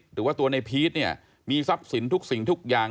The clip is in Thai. หรือว่าตัวในพีชเนี่ยมีทรัพย์สินทุกสิ่งทุกอย่าง